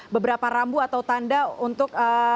beberapa rambu atau tanda untuk